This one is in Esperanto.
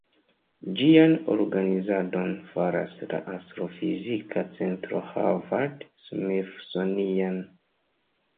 Ĝian organizadon faras la Astrofizika Centro Harvard-Smithsonian.